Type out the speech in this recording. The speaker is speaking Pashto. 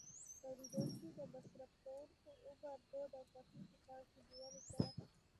تولیدوونکي د مصرف کوونکو د عمر، دود او خوښۍ په پام کې نیولو سره.